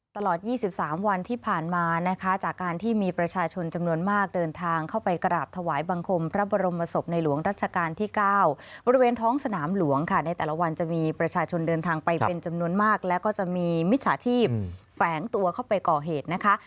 ตลอด๒๓วันที่ผ่านมานะคะจากการที่มีประชาชนจำนวนมากเดินทางเข้าไปกราบถวายบังคมพระบรมศพในหลวงรัชกาลที่๙บริเวณท้องสนามหลวงค่ะในแต่ละวันจะมีประชาชนเดินทางไปเป็นจำนวนมากแล้วก็จะมีมิจฉาชีพแฝงตัวเข้าไปก่อเหตุนะคะ